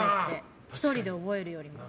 １人で覚えるよりも。